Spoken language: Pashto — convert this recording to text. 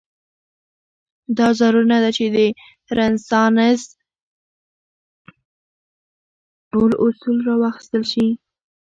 دا ضرور نه ده چې د رنسانس ټول اصول راواخیستل شي.